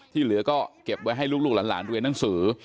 ที่เหลือก็เก็บไว้ให้ลูกหลานเรียนหนังสือ